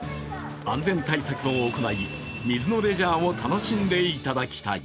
安全対策を行い、水のレジャーを楽しんでいただきたい。